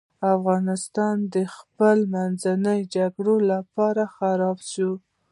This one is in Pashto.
افغانستان د خپل منځي جګړو له امله خراب سو.